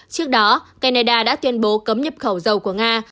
trước đó canada đã tuyên bố cấm nhập khẩu dầu của nga